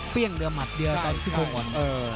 เปรี้ยงเตือหมัดเตือตอนซี่โครงอ่อน